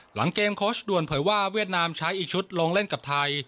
หลังเกมโค้ชด่วนเผยว่าเวียดนามใช้อีกชุดลงเล่นกับไทย